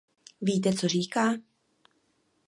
Víte, co říká?